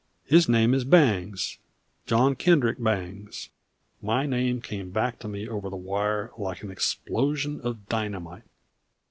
His name is Bangs John Kendrick Bangs." My name came back at me over the wire like an explosion of dynamite.